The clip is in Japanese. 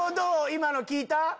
今の聞いた？